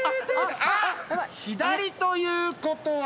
あっ左ということは。